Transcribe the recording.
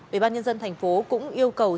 ubnd tp cũng yêu cầu